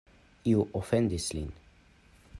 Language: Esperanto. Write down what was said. Iu ofendis lin.